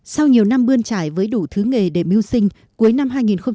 sau nhiều năm bươn trải với đủ thứ nghề để mưu sinh cuối năm hai nghìn chín